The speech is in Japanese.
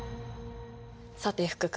さて福君。